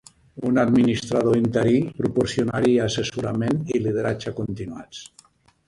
Un "administrador interí" proporcionaria assessorament i lideratge continuats.